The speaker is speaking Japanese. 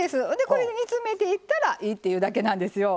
これで煮詰めていったらいいっていうだけなんですよ。